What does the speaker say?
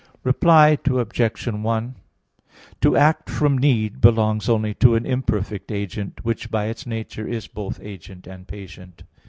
Reply Obj. 1: To act from need belongs only to an imperfect agent, which by its nature is both agent and patient.